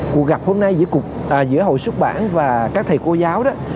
cuộc gặp hôm nay giữa hội xuất bản và các thầy cô giáo đó